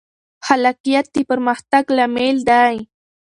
خلاقیت د پرمختګ لامل دی.